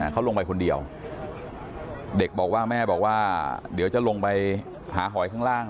เขาลงไปคนเดียวเด็กบอกว่าแม่บอกว่าเดี๋ยวจะลงไปหาหอยข้างล่าง